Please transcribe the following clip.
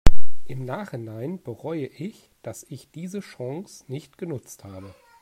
Im Nachhinein bereue ich, dass ich diese Chance nicht genutzt habe.